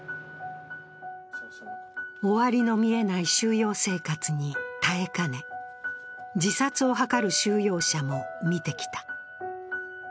終わりの見えない収容生活に耐えかね、自殺を図る収容者も見てきた。